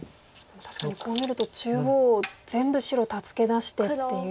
確かにこう見ると中央全部白助け出してっていう。